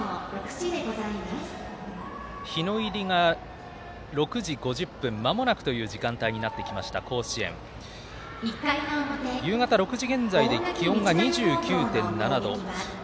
日の入りが、６時５０分まもなくという時間帯になってきました甲子園、夕方６時現在で気温が２９度近く。